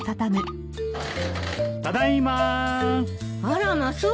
ただいまー。